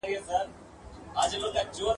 له باغلیو څخه ډک سول گودامونه !.